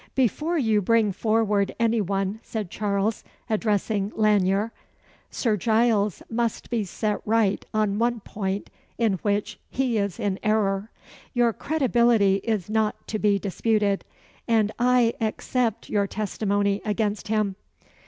"Before you bring forward any one," said Charles, addressing Lanyere, "Sir Giles must be set right on one point in which he is in error. Your credibility is not to be disputed, and I accept your testimony against him."